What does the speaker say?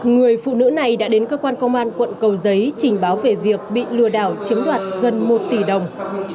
người phụ nữ này đã đến cơ quan công an quận cầu giấy trình báo về việc bị lừa đảo chiếm đoạt gần một tỷ đồng